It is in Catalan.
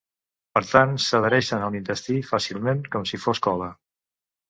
Per tant s’adhereixen a l’intestí fàcilment com si fos cola.